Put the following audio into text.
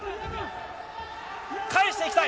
返していきたい。